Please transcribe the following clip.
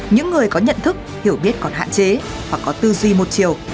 những người có nhận thức hiểu biết còn hạn chế hoặc có tư duy một chiều